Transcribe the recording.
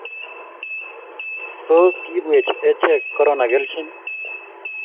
tos kiibwech achek korona keljin?